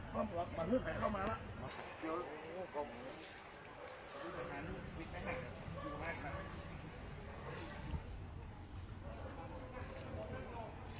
ต้องรอตำรวจมันมืดแผนเข้ามาแล้ว